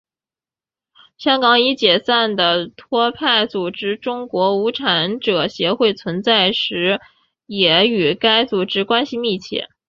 香港已解散的托派组织中国无产者协会存在时也与该组织关系密切。